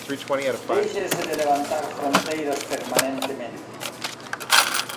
Déixense de levantar fronteiras permanentemente.